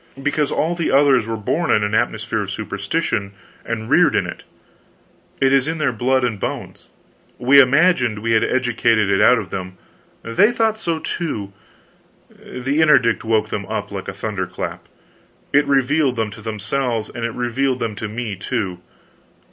"Because all the others were born in an atmosphere of superstition and reared in it. It is in their blood and bones. We imagined we had educated it out of them; they thought so, too; the Interdict woke them up like a thunderclap! It revealed them to themselves, and it revealed them to me, too.